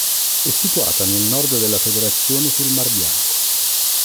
È situata nel nord della Federazione sul mar Bianco.